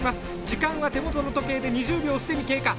時間は手元の時計で２０秒を既に経過。